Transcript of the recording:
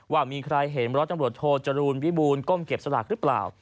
ว่ามีใครเห็นร้อยตำรวจโทจรูลวิบูรก้มเก็บสลากหรือเปล่า